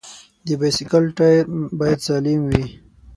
د بایسکل ټایر باید سالم وي.